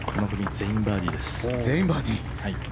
全員バーディー。